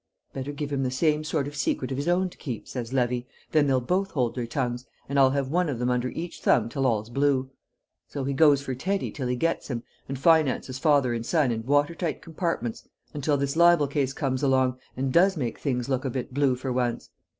'Better give him the same sort of secret of his own to keep,' says Levy, 'then they'll both hold their tongues, and I'll have one of 'em under each thumb till all's blue.' So he goes for Teddy till he gets him, and finances father and son in watertight compartments until this libel case comes along and does make things look a bit blue for once.